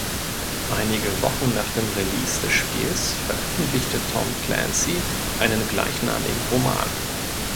Einige Wochen nach dem Release des Spiels veröffentlichte Tom Clancy einen gleichnamigen Roman.